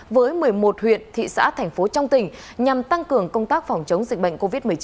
với một mươi một huyện thị xã thành phố trong tỉnh nhằm tăng cường công tác phòng chống dịch bệnh covid một mươi chín